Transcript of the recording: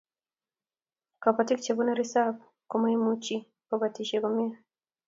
Kobotik chebunu risap komoimuchi kobotisiet komie